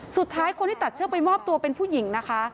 สุดท้ายคนที่ตัดเชือกไปมอบตัวเป็นผู้หญิงนะคะ